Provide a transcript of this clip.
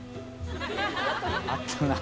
あったな。